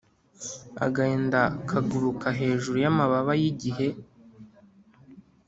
agahinda kaguruka hejuru yamababa yigihe.